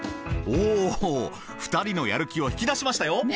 お２人のやる気を引き出しましたよ。